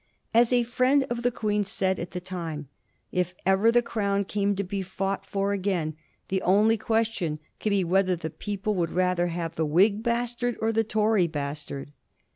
As a friend of the Queen said at the time, if ever the Crown came to be fought for again, the only question could be whether the people would rather have the Whig bastard or the Tory bastard.